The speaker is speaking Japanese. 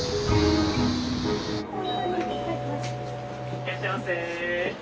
いらっしゃいませ。